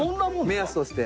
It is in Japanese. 目安として。